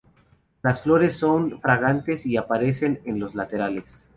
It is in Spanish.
Las flores son fragantes y aparecen en los laterales.